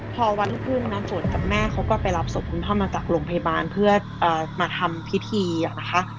พอวันขึ้นนะฝนกับแม่เขาก็ไปรับศพคุณพ่อมาจากโรงพยาบาลเพื่อมาทำพิธีนะคะ